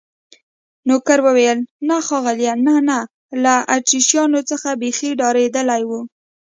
نوکر وویل: نه ښاغلي، نه، نه، له اتریشیانو څخه بیخي ډارېدلی و.